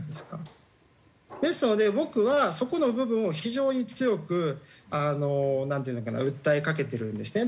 ですので僕はそこの部分を非常に強くなんていうのかな訴えかけてるんですね。